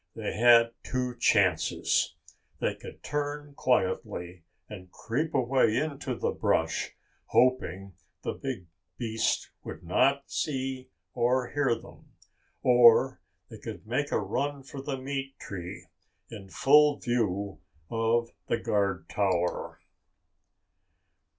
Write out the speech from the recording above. They had two chances. They could turn quietly and creep away into the brush, hoping the big beast would not see or hear them. Or, they could make a run for the meat tree in full view of the guard tower.